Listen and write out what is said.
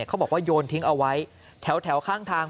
เขาบอกว่าโยนทิ้งเอาไว้แถวข้างทาง